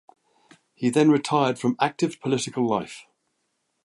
He then retired from active political life.